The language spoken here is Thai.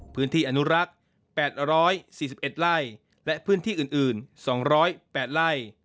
พื้นที่อนุรักษ์๘๔๑ไร่และพื้นที่อื่น๒๐๘ไร่